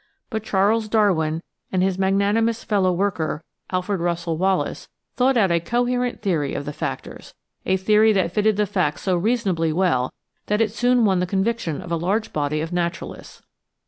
But Charles Darwin and his magnanimous fellow worker, Alfred Russel Wallace, thought out a coherent theory of the factors — a theory that fitted the facts so reasonably well that it soon won the con viction of a large body of naturalists.